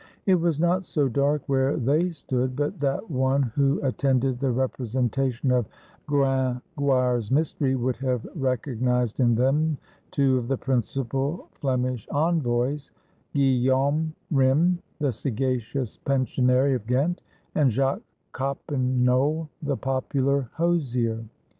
It was not so dark where they stood but that one who attended the representation of Gringoire's mystery would have recognized in them two of the principal Flemish envoys, Guillaume Rym, the sagacious pensionary of Ghent, and Jacques Coppen ole, the popular hosier.